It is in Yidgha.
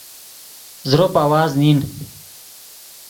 زروپ آواز نین